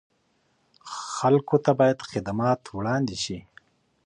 خلکو ته باید خدمات وړاندې شي.